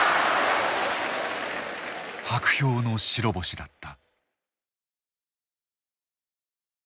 薄氷の白星だった。